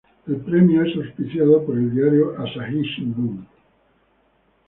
El premio es auspiciado por el diario Asahi Shimbun.